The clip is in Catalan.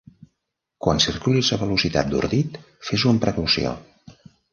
Quan circulis a velocitat d'ordit, fes-ho amb precaució!